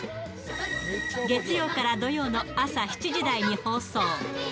月曜から土曜の朝７時台に放送。